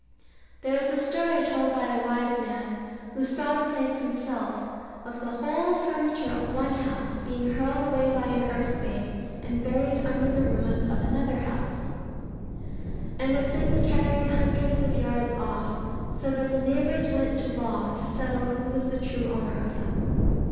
There is a story told by a wise man, who saw the place himself, of the whole furniture of one house being hurled away by an earthquake, and buried under the ruins of another house; and of things carried hundreds of yards off, so that the neighbours went to law to settle who was the true owner of them.